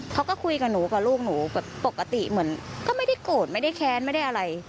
เขาก็คุยกับหนูกับลูกหนูแบบปกติเหมือนก็ไม่ได้โกรธไม่ได้แค้นไม่ได้อะไร